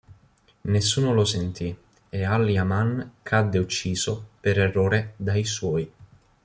Nessuno lo sentì e al-Yaman cadde ucciso per errore dai suoi.